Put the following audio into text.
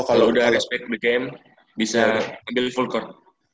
kalau udah respect di game bisa ambil full court